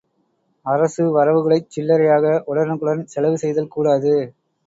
அரசு வரவுகளைச் சில்லறையாக உடனுக்குடன் செலவு செய்தல் கூடாது.